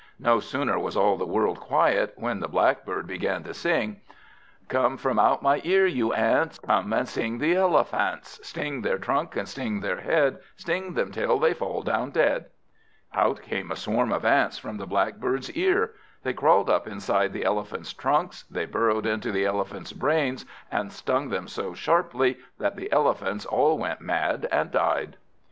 No sooner was all the world quiet, than Blackbird began to sing "Come from out my ear, you Ants, Come and sting the Elephants; Sting their trunk, and sting their head, Sting them till they fall down dead." Out came a swarm of Ants from the Blackbird's ear. They crawled up inside the Elephants' trunks, they burrowed into the Elephants' brains, and stung them so sharply that the Elephants all went mad, and died.